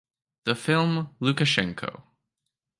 The film ‘Lukashenko.